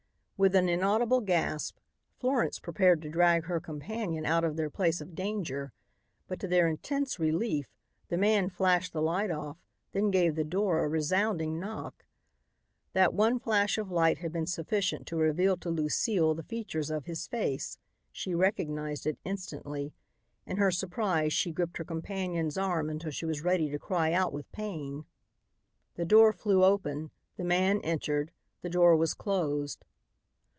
With an inaudible gasp Florence prepared to drag her companion out of their place of danger. But to their intense relief the man flashed the light off, then gave the door a resounding knock. That one flash of light had been sufficient to reveal to Lucile the features of his face. She recognized it instantly. In her surprise she gripped her companion's arm until she was ready to cry out with pain. The door flew open. The man entered. The door was closed.